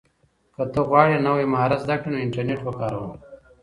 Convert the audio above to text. که ته غواړې نوی مهارت زده کړې نو انټرنیټ وکاروه.